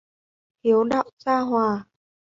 Hiếu đạo gia hòa